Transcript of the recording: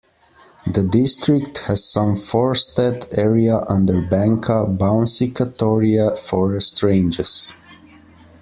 The district has some forested area under Banka, Bounsi Katoriya forest ranges.